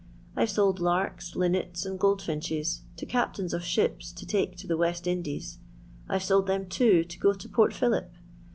I 're told larkt, linneta, andgoldfiiiches, to eaptaini of ships to take to the West Indies. I Ve sold them, too, to go to Port Philip.